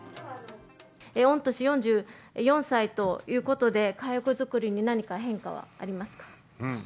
御年４４歳ということで、体力作りに何か変化はありますか？